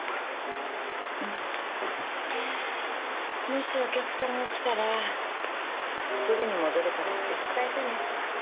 もしお客さんが来たらすぐに戻るからって伝えてね。